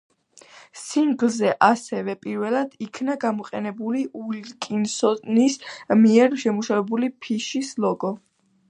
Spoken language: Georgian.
სინგლზე ასევე პირველად იქნა გამოყენებული უილკინსონის მიერ შემუშავებული ფიშის ლოგო.